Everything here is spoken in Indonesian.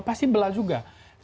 pasti bela juga